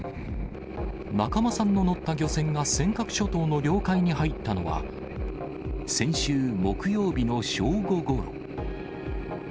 仲間さんの乗った漁船が尖閣諸島の領海に入ったのは、先週木曜日の正午ごろ。